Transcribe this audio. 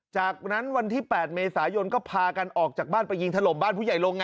จากนั้นวันที่๘เมษายนก็พากันออกจากบ้านไปยิงถล่มบ้านผู้ใหญ่ลง